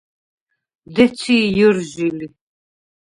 დეცი ჲჷრჟი ლი.